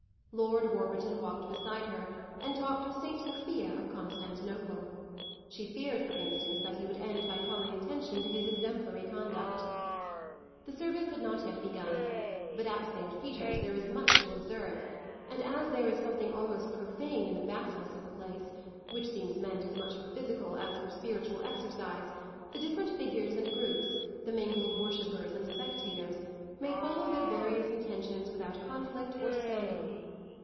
Lord Warburton walked beside her and talked of Saint Sophia of Constantinople; she feared for instance that he would end by calling attention to his exemplary conduct. The service had not yet begun, but at Saint Peter's there is much to observe, and as there is something almost profane in the vastness of the place, which seems meant as much for physical as for spiritual exercise, the different figures and groups, the mingled worshippers and spectators, may follow their various intentions without conflict or scandal.